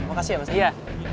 terima kasih ya mas ia